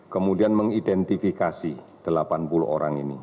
kemudian mengidentifikasi delapan puluh orang ini